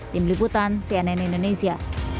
tim liputan cnn indonesia